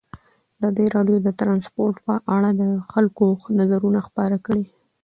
ازادي راډیو د ترانسپورټ په اړه د خلکو نظرونه خپاره کړي.